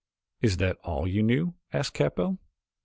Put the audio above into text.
"Is that all you knew?" asked Capell.